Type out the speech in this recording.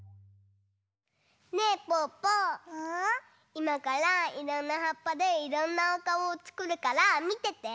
いまからいろんなはっぱでいろんなおかおをつくるからみてて。